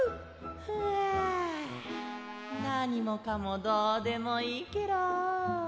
ふぁなにもかもどうでもいいケロ。